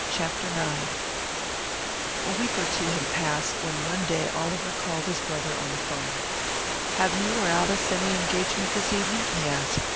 CHAPTER IX A weekor two had passed, when one day Oliver called his brother on the 'phone. "Have you or Alice any engagement this evening?" he asked.